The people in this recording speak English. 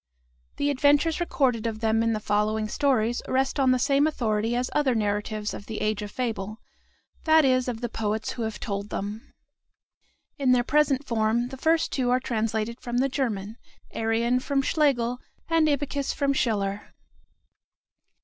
The adventures recorded of them in the following stories rest on the same authority as other narratives of the "Age of Fable," that is, of the poets who have told them. In their present form, the first two are translated from the German, Arion from Schlegel, and Ibycus from Schiller.